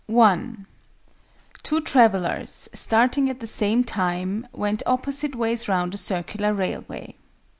_ (1) "Two travellers, starting at the same time, went opposite ways round a circular railway.